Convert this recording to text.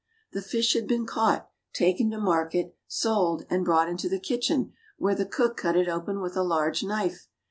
" The fish had been caught, taken to market, sold, and brought into the kitchen, where the cook cut it open with a large knife.